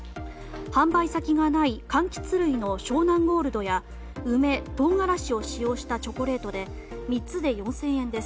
販売先がないかんきつ類の湘南ゴールドや梅、トウガラシを使用したチョコレートで３つで４０００円です。